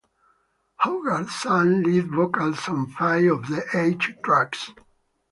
Hogarth sang lead vocals on five of the eight tracks.